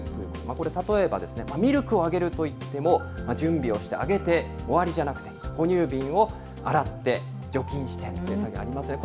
これ、例えばですね、ミルクをあげるといっても、準備をして、あげて終わりじゃなくて、哺乳瓶を洗って、除菌してというのがありますよね。